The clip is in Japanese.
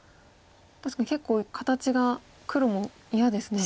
確かに結構形が黒も嫌ですね。